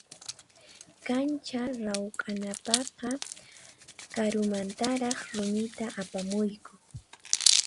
Kancha rawkhanapaqqa karumantaraq rumita apamuyku.